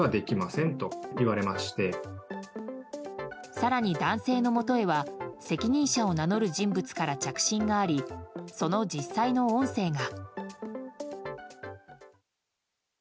更に男性のもとへは責任者を名乗る人物から着信がありその実際の音声が。